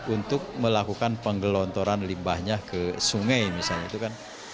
untuk melakukan penggelontoran limbahnya ke sungai misalnya